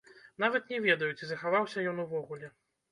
Нават не ведаю, ці захаваўся ён увогуле.